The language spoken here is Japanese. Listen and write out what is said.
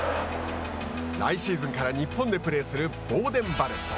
来シーズンから日本でプレーするボーデン・バレット。